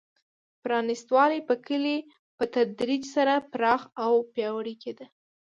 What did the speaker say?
پرانېست والی په کې په تدریج سره پراخ او پیاوړی کېده.